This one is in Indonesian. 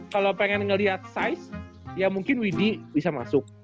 kalo pengen ngeliat size ya mungkin widi bisa masuk